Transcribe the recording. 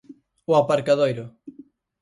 O aparcadoiro.